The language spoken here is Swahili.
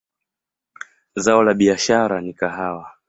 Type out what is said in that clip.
Zao la biashara ni kahawa.